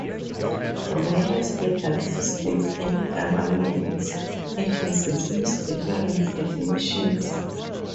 Various legal systems and government agencies use different definitions.